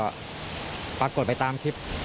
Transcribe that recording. ยังป้ากเกิดไปตามคลิป